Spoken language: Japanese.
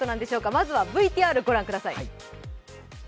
まずはＶＴＲを御覧ください。